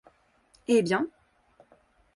Eh bien!